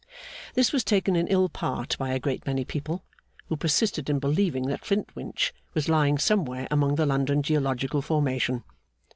This was taken in ill part by a great many people, who persisted in believing that Flintwinch was lying somewhere among the London geological formation.